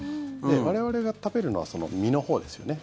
我々が食べるのは身のほうですよね。